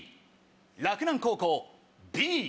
洛南高校「Ｂ」。